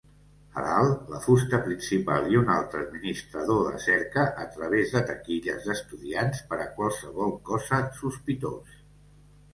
A dalt, la fusta principal i un altre administrador de cerca a través de taquilles d'estudiants per a qualsevol cosa sospitós.